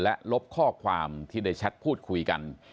และลบข้อความที่ได้แชทพูดคุยกัน